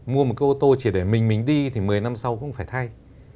mua một cái ô tô chỉ để mình đi thì một mươi năm sau cũng phải thay